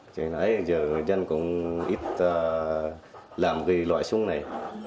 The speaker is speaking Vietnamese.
cho nên là giờ dân cũng ít làm cái loại súng này